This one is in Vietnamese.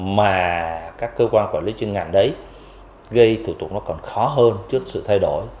mà các cơ quan quản lý chuyên ngành đấy gây thủ tục nó còn khó hơn trước sự thay đổi